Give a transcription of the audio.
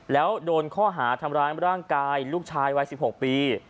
แล้วโดนข้อหาทำร้ายร่างกายลูกชายวัย๑๖ปี